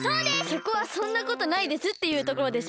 そこは「そんなことないです」っていうところでしょ。